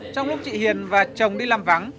trong lúc chị hiền và chồng đi làm vắng